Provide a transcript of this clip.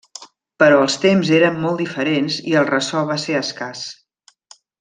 Però els temps eren molt diferents i el ressò va ser escàs.